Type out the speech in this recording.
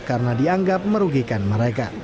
karena dianggap merugikan mereka